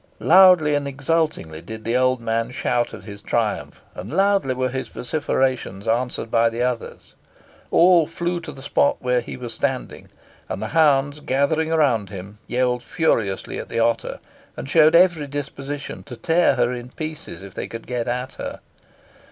Loudly and exultingly did the old man shout at his triumph, and loudly were his vociferations answered by the others. All flew to the spot where he was standing, and the hounds, gathering round him, yelled furiously at the otter, and showed every disposition to tear her in pieces, if they could get at her.